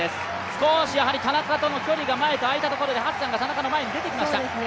少し田中との距離が前に開いたところでハッサンが田中の前に出てきました。